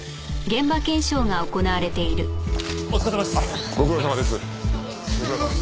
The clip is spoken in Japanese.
お疲れさまです。